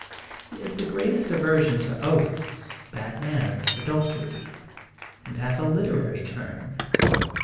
He has the greatest aversion to oaths, bad manners, adultery, and has a literary turn.